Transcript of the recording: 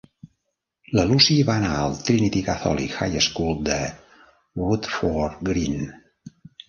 La Lucy va anar al Trinity Catholic High School de Woodford Green.